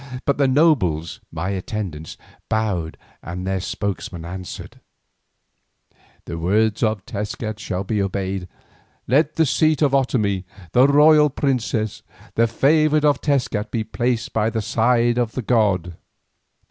But the nobles, my attendants, bowed, and their spokesman answered: "The words of Tezcat shall be obeyed. Let the seat of Otomie, the royal princess, the favoured of Tezcat, be placed by the side of the god."